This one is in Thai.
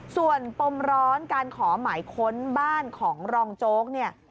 ส่วนปมร้อนการขอหมายค้นบ้านของรองโจ๊กเนี่ย